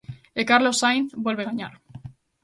E Carlos Sainz volve gañar.